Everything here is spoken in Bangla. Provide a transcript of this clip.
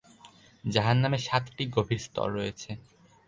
জাহান্নামে সাতটি গভীর স্তর রয়েছে।